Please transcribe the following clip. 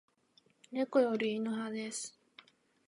猫より犬派です